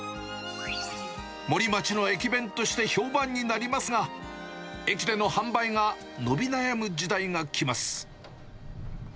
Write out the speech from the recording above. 森町の駅弁として評判になりますが、駅での販売が伸び悩む時代が来ます。